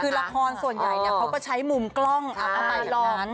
คือละครส่วนใหญ่เขาก็ใช้มุมกล้องเข้าไปร้อน